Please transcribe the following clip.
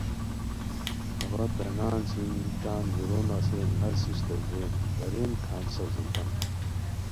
اوا کانان چھینی تان دُورو نسین نس اِستوگین (دارین کھانج) ساؤزیتام